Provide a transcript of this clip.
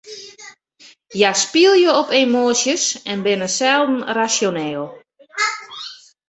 Hja spylje op emoasjes en binne selden rasjoneel.